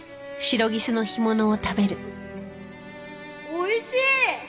おいしい！